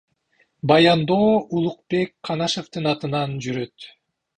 Баяндоо Улукбек Канашевдин атынан жүрөт.